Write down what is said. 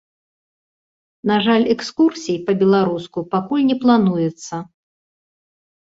На жаль экскурсій па-беларуску пакуль не плануецца.